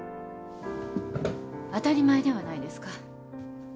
当たり前ではないですか